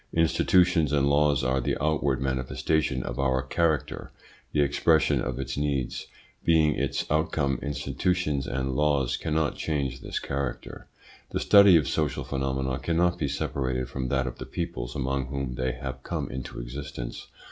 Institutions and laws are the outward manifestation of our character, the expression of its needs. Being its outcome, institutions and laws cannot change this character. The study of social phenomena cannot be separated from that of the peoples among whom they have come into existence.